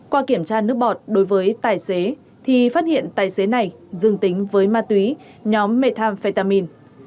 qua kiểm tra nước bọt đối với tài xế thì phát hiện tài xế này dương tính với ma túy nhóm methamphetamin